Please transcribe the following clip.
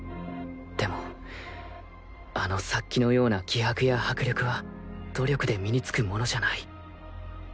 でもあの殺気のような気迫や迫力は努力で身につくものじゃない。